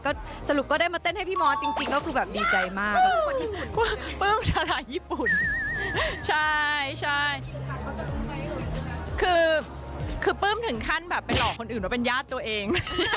คือปลื้มถึงขั้นแบบไปหลอกคนอื่นว่าเป็นญาติตัวเอง